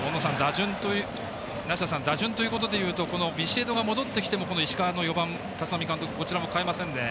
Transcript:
梨田さん打順ということでいうとビシエドが戻ってきても石川の４番立浪監督、こちらも代えませんね。